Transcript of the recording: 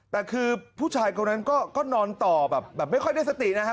แต่คือผู้ชายคนนั้นก็นอนต่อแบบไม่ค่อยได้สตินะฮะ